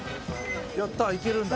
やった行けるんだ。